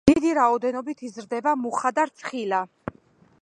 დიდი რაოდენობით იზრდება მუხა და რცხილა.